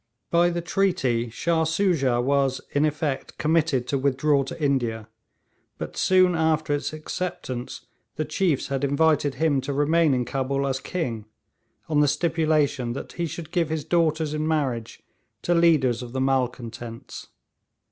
By the treaty, Shah Soojah was in effect committed to withdraw to India, but soon after its acceptance the chiefs had invited him to remain in Cabul as king, on the stipulation that he should give his daughters in marriage to leaders of the malcontents.